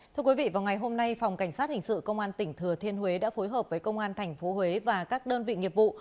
thưa quý vị vào ngày hôm nay phòng cảnh sát hình sự công an tỉnh thừa thiên huế đã phối hợp với công an tp huế và các đơn vị nghiệp vụ